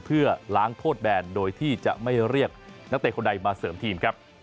เพื่อล้างโทษแบนโดยที่จะไม่เรียกนักเตะคนใดมาเสริมทีมครับ